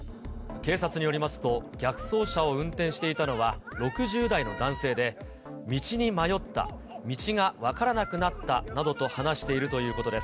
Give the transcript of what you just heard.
警察によりますと、逆走車を運転していたのは６０代の男性で、道に迷った、道が分からなくなったなどと話しているということです。